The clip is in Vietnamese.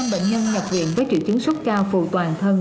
năm bệnh nhân nhập viện với triệu chứng sốt cao phù toàn thân